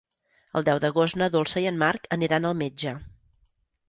El deu d'agost na Dolça i en Marc aniran al metge.